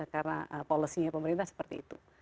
karena policy nya pemerintah seperti itu